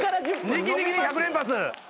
ニキニキニ１００連発。